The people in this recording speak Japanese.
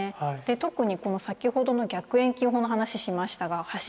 特にこの先ほどの逆遠近法の話しましたが柱の。